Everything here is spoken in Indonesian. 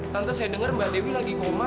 tante saya dengar mbak dewi lagi koma